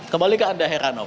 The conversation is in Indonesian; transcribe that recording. kembali ke anda heran om